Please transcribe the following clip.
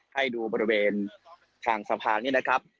ให้ดูบริเวณทางสะพานนี้นะครับ